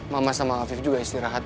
mama sama afif juga istirahat